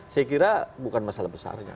saya kira bukan masalah besarnya